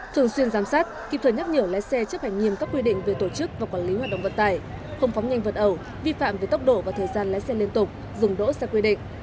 thường xuyên giám sát kịp thời nhắc nhở lái xe chấp hành nghiêm các quy định về tổ chức và quản lý hoạt động vận tải không phóng nhanh vật ẩu vi phạm về tốc độ và thời gian lái xe liên tục dừng đỗ xe quy định